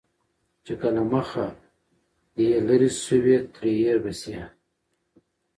چې که له مخه يې لرې شوې، ترې هېر به شې.